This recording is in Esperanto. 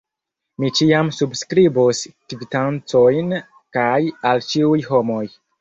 Mi ĉiam subskribos kvitancojn, kaj al ĉiuj homoj.